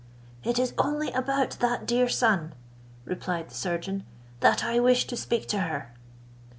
"It is only about that dear son," replied the surgeon, "that I wish to speak to her."